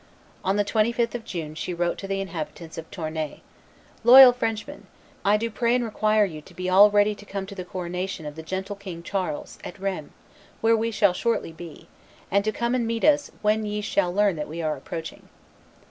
On the 25th of June she wrote to the inhabitants of Tournai, "Loyal Frenchmen, I do pray and require you to be all ready to come to the coronation of the gentle King Charles, at Rheims, where we shall shortly be, and to come and meet us when ye shall learn that we are approaching."